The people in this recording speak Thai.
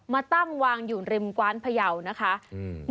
มาตั้งวางอยู่ริมกว้านพยาวนะคะอืม